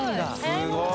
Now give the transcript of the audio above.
すごい。